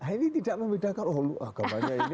ini tidak membedakan oh agamanya ini